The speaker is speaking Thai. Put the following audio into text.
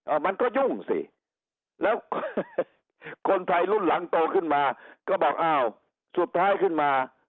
มันก็ยุ่งสิแล้วคนไทยรุ่นหลังโตขึ้นมาก็บอกอ้าวสุดท้ายขึ้นมา